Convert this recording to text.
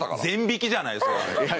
全引きじゃないですか。